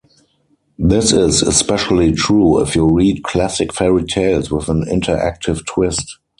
This is especially true if you read classic fairy tales with an interactive twist.